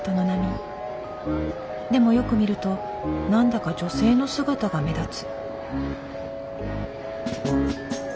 でもよく見ると何だか女性の姿が目立つ。